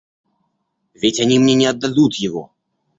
Ведь они мне не отдадут его.